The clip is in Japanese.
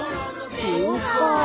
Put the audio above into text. そうか。